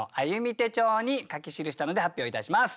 手帳に書き記したので発表いたします。